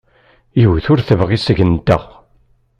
Yiwet ur t-tebɣi seg-nteɣ.